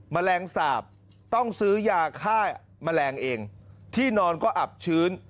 แมลงสาปต้องซื้อยาฆ่าแมลงเองที่นอนก็อับชื้น